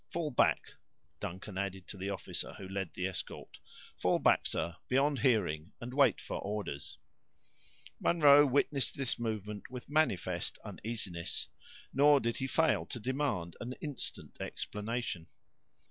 Fall back," Duncan added to the officer who led the escort; "fall back, sir, beyond hearing, and wait for orders." Munro witnessed this movement with manifest uneasiness; nor did he fail to demand an instant explanation.